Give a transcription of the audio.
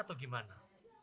menari atau gimana